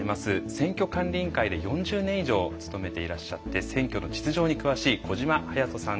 選挙管理委員会で４０年以上勤めていらっしゃって選挙の実情に詳しい小島勇人さんです。